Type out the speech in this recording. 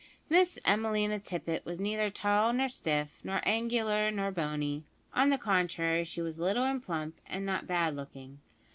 Miss Emelina Tippet was neither tall nor stiff, nor angular nor bony; on the contrary, she was little and plump, and not bad looking.